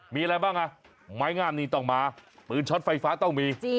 มีอะไรบ้างอ่ะไม้งามนี่ต้องมาปืนช็อตไฟฟ้าต้องมี